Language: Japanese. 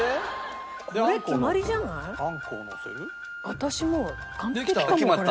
私もう完璧かもこれ。